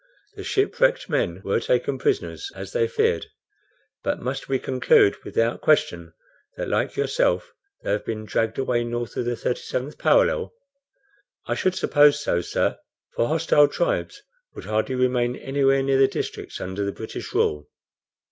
"The shipwrecked men were taken prisoners, as they feared. But must we conclude without question that, like yourself, they have been dragged away north of the 37th parallel?" "I should suppose so, sir; for hostile tribes would hardly remain anywhere near the districts under the British rule."